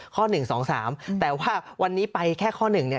ข้อหนึ่งสองสามแต่ว่าวันนี้ไปแค่ข้อหนึ่งเนี่ย